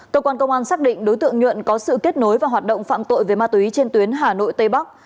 cơ quan công an xác định đối tượng nhuận có sự kết nối và hoạt động phạm tội về ma túy trên tuyến hà nội tây bắc